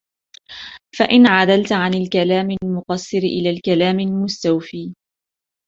فَإِنْ عَدَلْت عَنْ الْكَلَامِ الْمُقَصِّرِ إلَى الْكَلَامِ الْمُسْتَوْفِي